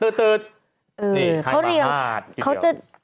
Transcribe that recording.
นี่ขณะมหาธ